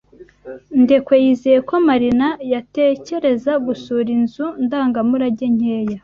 Ndekwe yizeye ko Marina yatekereza gusura inzu ndangamurage nkeya.